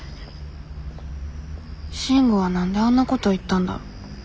慎吾は何であんなこと言ったんだろ。